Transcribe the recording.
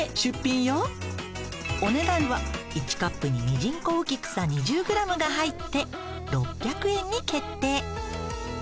お値段は１カップにミジンコウキクサ２０ｇが入って６００円に決定。